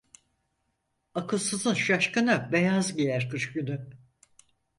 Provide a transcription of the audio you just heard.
Akılsızın şaşkını beyaz giyer kış günü.